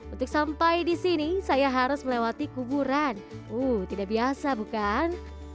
untuk sampai di sini saya harus melewati kuburan uh tidak biasa bukan